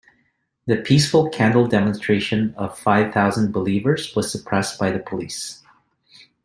The peaceful Candle Demonstration of five thousand believers was suppressed by the police.